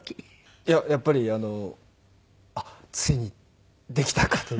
いややっぱりあのあっついにできたかというかね。